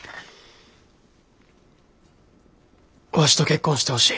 わしと結婚してほしい。